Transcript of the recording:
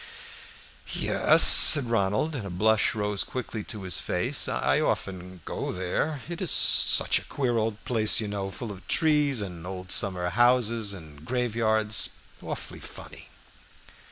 "Yes," said Ronald, and a blush rose quickly to his face, "I often go there. It is such a queer old place, you know, full of trees and old summer houses and graveyards awfully funny."